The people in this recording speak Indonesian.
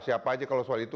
siapa aja kalau soal itu